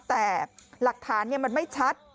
แต่หลักฐานมันไม่ชัด